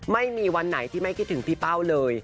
ไม่มีวันไหนที่ไม่คิดถึงพี่เป้าเลย